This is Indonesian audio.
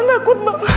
bang takut bang